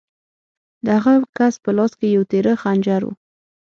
د هغه کس په لاس کې یو تېره خنجر و